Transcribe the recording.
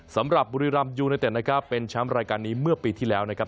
สำหรับบุรีรำยูไนเต็ดนะครับเป็นแชมป์รายการนี้เมื่อปีที่แล้วนะครับ